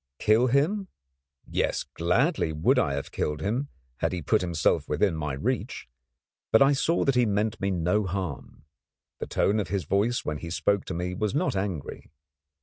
Kill him? Yes, gladly would I have killed him, had he put himself within my reach; but I saw that he meant me no harm. The tone of his voice when he spoke to me was not angry.